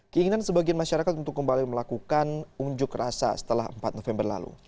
keinginan sebagian masyarakat untuk kembali melakukan unjuk rasa setelah empat november lalu